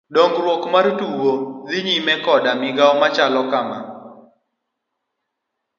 Dong'ruok mar tugo dhi nyime koda migao machalo kama.